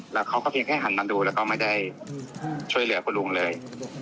แล้วเขาก็เพียงแค่หันมาดูแล้วก็ไม่ได้ช่วยเหลือคุณลุงเลย